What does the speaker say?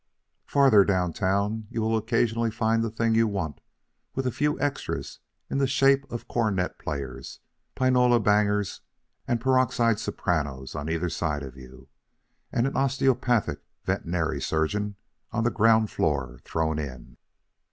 Farther down town you will occasionally find the thing you want with a few extras in the shape of cornet players, pianola bangers, and peroxide sopranos on either side of you, and an osteopathic veterinary surgeon on the ground floor thrown in.